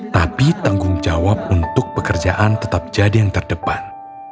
tapi tanggung jawab untuk pekerjaan tetap jadi yang terdepan